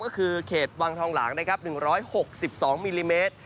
ก็คือเขตวังทองหลางนะครับ๑๖๒มิลลิเมตร